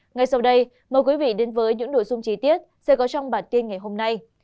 ngay sau đây mời quý vị đến với những nội dung chi tiết sẽ có trong bản tin ngày hôm nay